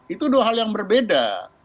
itu dua hal yang berbeda